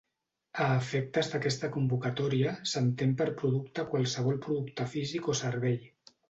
A efectes d'aquesta convocatòria, s'entén per producte qualsevol producte físic o servei.